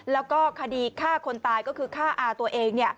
แล้วก็คดีฆ่าคนตายก็คือฆ่าอาตัวเอง